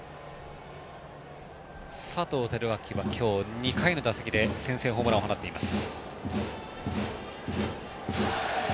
佐藤輝明は今日２回の打席で先制ホームランを放っています。